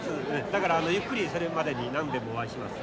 だからゆっくりそれまでに何べんもお会いします。